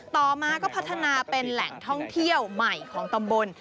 ต่อมาก็พัฒนาเป็นแหล่งท่องเที่ยวใหม่ของตำบล